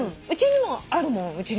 うちにもあるもん。